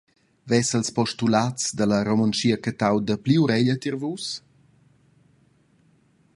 Vessen ils postulats dalla Romontschia cattau dapli ureglia tier Vus?